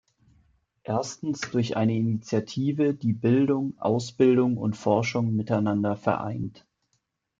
Erstens durch eine Initiative, die Bildung, Ausbildung und Forschung miteinander vereint.